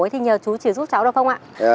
thì nhờ chú chỉ giúp cháu được không ạ